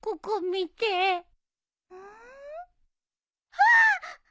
あっ。